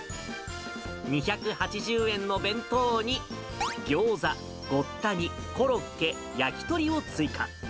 ２８０円の弁当に、ギョーザ、ごった煮、コロッケ、焼き鳥を追加。